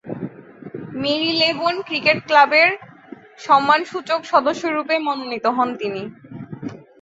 Marylebone cricket ক্লাবের সম্মানসূচক সদস্যরূপে মনোনীত হন তিনি।